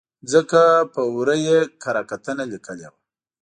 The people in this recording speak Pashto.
ځکه په ور ه یې کره کتنه لیکلې وه.